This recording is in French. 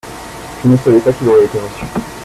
JE ne savais pas qu'il aurait été reçu.